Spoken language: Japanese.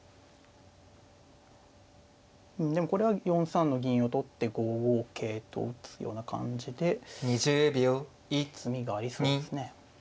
でもこれは４三の銀を取って５五桂と打つような感じで詰みがありそうですね。